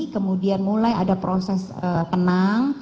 kemudian mulai ada proses tenang